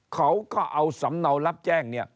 เขาก็เอาสำเนารับแจ้งเนี่ย